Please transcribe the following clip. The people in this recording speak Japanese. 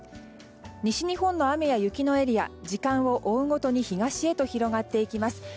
西日本の雨や雪のエリア時間を追うごとに東へと広がっていきます。